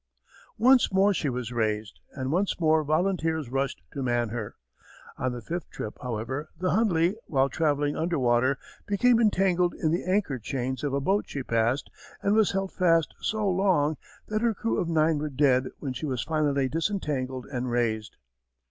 Once more she was raised and once more volunteers rushed to man her. On the fifth trip, however, the Hundley, while travelling underwater, became entangled in the anchor chains of a boat she passed and was held fast so long that her crew of nine were dead when she was finally disentangled and raised.